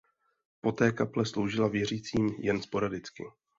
Poté kaple sloužila věřícím jen sporadicky.